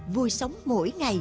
vui sống mỗi ngày